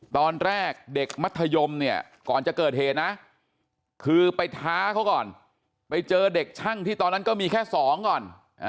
ตอนแรกเด็กมัธยมเนี่ยก่อนจะเกิดเหตุนะคือไปท้าเขาก่อนไปเจอเด็กช่างที่ตอนนั้นก็มีแค่๒ก่อน